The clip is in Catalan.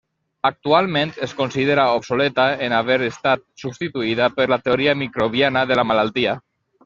Actualment es considera obsoleta, en haver estat substituïda per la teoria microbiana de la malaltia.